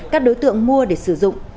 các đối tượng mua để sử dụng